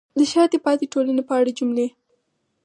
د شاته پاتې ټولنې په اړه جملې: